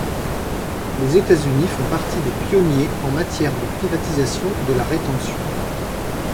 Les États-Unis font partie des pionniers en matière de privatisation de la rétention.